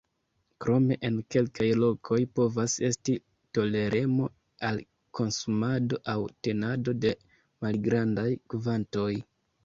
Krome en kelkaj lokoj povas esti toleremo al konsumado aŭ tenado de malgrandaj kvantoj.